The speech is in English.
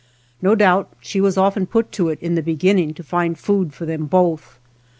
No doubt she was often put to it in the begin ning to find food for them both.